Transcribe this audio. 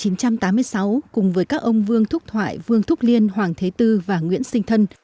năm một nghìn chín trăm tám mươi sáu cùng với các ông vương thúc thoại vương thúc liên hoàng thế tư và nguyễn sinh thân